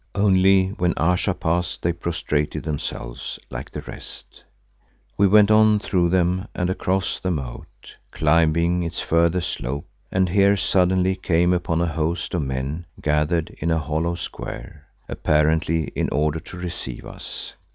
Only when Ayesha passed they prostrated themselves like the rest. We went on through them and across the moat, climbing its further slope and here suddenly came upon a host of men gathered in a hollow square, apparently in order to receive us.